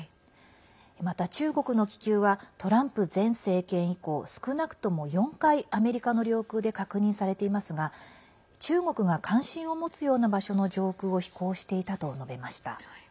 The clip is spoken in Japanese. また、中国の気球はトランプ前政権以降少なくとも４回アメリカの領空で確認されていますが中国が関心を持つような場所の上空を飛行していたと述べました。